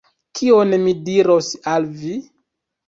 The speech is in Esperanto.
kion mi diros al vi?